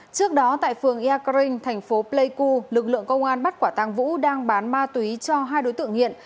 trước đó tại phường eakring thành phố pleiku lực lượng công an bắt quả tàng vũ đang bán ma túy cho hai đối tượng hiện